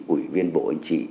ủy viên bộ anh chị